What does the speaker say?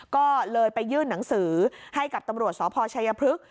ก็เลยไปยื่นหนังสือให้กับตำรวจสพชัยพฤกษ